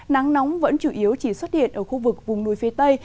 nắng nóng vẫn chủ yếu chỉ xuất hiện ở khu vực vùng núi phía tây